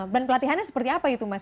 dan pelatihannya seperti apa itu mas